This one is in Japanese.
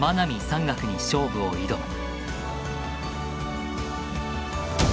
山岳に勝負を挑む。